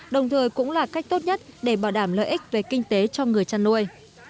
đồng thời cũng là cách tốt nhất để bảo đảm lợi ích về kinh tế cho người chăn nuôi